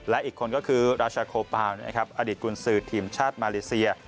และอีกคนก็คือราชาโคปาลนะครับอดีตกุญสือทีมชาติมาเลเซีย